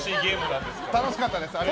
楽しかったです。